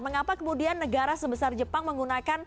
mengapa kemudian negara sebesar jepang menggunakan covid sembilan belas